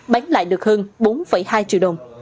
bán lại được hơn bốn hai triệu đồng